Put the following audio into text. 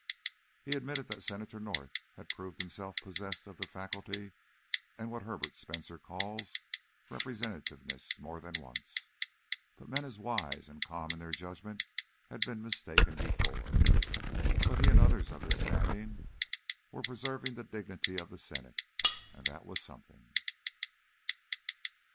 He admitted that Senator North had proved himself possessed of the faculty of what Herbert Spencer calls representativeness more than once, but men as wise and calm in their judgment had been mistaken before. But he and others of his standing were preserving the dignity of the Senate, and that was something.